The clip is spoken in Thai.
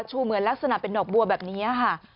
เหมือนลักษณะเป็นดอกบัวแบบนี้ค่ะ